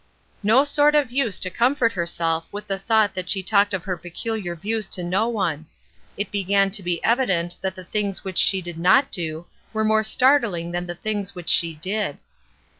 No sort of use to comfort herself with the thought that she talked of her peculiar views to no one; it began to be evident that the things which she did not do were more startling than the things which she did.